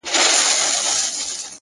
د زړه سکون له قناعت پیدا کېږي!